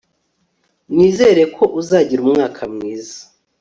Nizere ko uzagira umwaka mwiza